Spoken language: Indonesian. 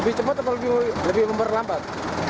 lebih cepat atau lebih lombar lombar